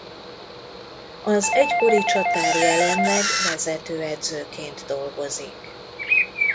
Az egykori csatár jelenleg vezetőedzőként dolgozik.